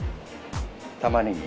たまねぎ。